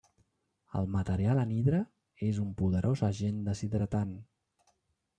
El material anhidre és un poderós agent deshidratant.